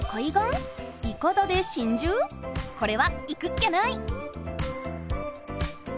これは行くっきゃない！